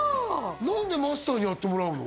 何でマスターにやってもらうの？